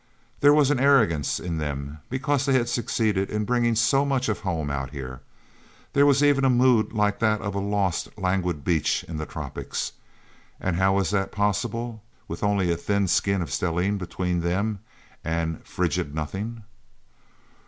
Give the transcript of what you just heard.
There was an arrogance in them, because they had succeeded in bringing so much of home out here. There was even a mood like that of a lost, languid beach in the tropics. And how was that possible, with only a thin skin of stellene between them and frigid nothing?